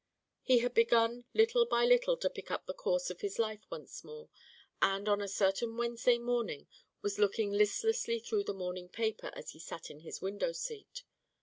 He had begun little by little to pick up the course of his life once more, and on a certain Wednesday morning was looking listlessly through the morning paper as he sat in his window seat.